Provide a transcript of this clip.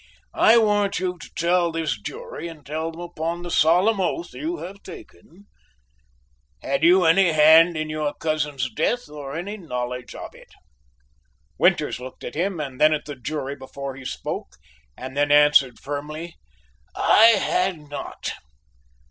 I want you to tell this jury, and tell them upon the solemn oath you have taken, had you any hand in your cousin's death or any knowledge of it?" Winters looked at him and then at the jury before he spoke and then answered firmly: "I had not."